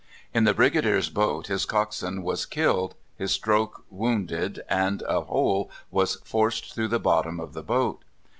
In the Brigadier's boat his coxswain was killed, his stroke wounded, and a hole was forced through the bottom of the boat.